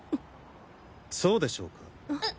そうでしょうか？